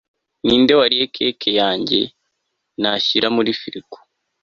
Ninde wariye cake yanjye nashyira muri frigo